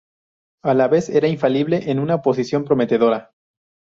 A la vez, era infalible en una posición prometedora.